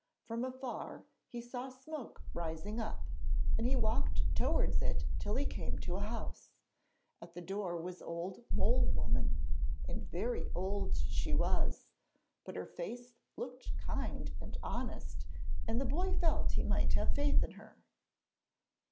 From afar he saw smoke rising up, and he walked towards it till he came to a house. At the door was Old Mole woman, and very old she was, but her face looked kind and honest and the boy felt he might have faith in her.